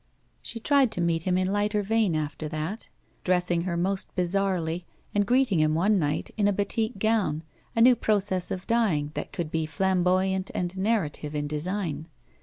She tried to meet him in lighter vein after that, dressing her most bizarrely, and greeting him one night in a batik gown, a new process of dyeing that could be flamboyant and narrative in design.